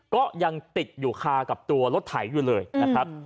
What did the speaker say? ก็ยังติดอยู่คากับตัวรถไถอยู่เลยนะครับ